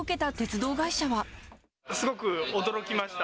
すごく驚きました。